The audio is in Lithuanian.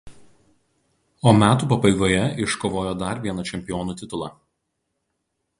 O metų pabaigoje iškovojo dar vieną čempionų titulą.